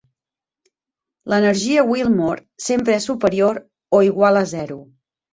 L'energia Willmore sempre és superior o igual a zero.